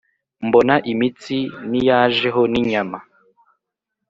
mbona imitsi n iyajeho n inyama